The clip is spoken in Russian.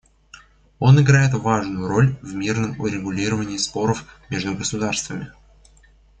Он играет важную роль в мирном урегулировании споров между государствами.